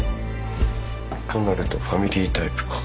となるとファミリータイプか。